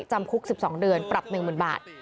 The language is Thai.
จำคุก๑๒เดือนปรับ๑๐๐๐บาท